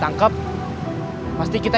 men kesena cuanto